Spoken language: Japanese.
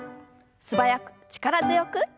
素早く力強く。